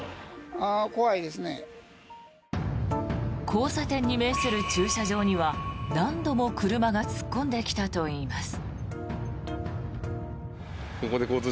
交差点に面する駐車場には何度も車が突っ込んできたといいます。